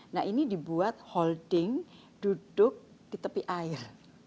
nah ini dibuat holding duduk di tepi air